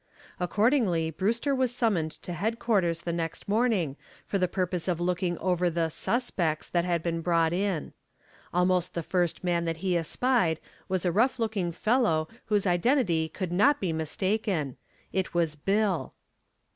Accordingly Brewster was summoned to headquarters the next morning for the purpose of looking over the "suspects" that had been brought in. Almost the first man that he espied was a rough looking fellow whose identity could not be mistaken. It was Bill.